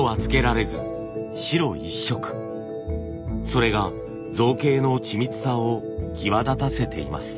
それが造形の緻密さを際立たせています。